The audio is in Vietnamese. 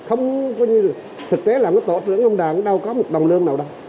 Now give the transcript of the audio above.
không suy nghĩ về một cái gì không có như thực tế làm tổ trưởng công đoàn đâu có một đồng lương nào đâu